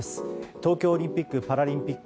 東京オリンピック・パラリンピック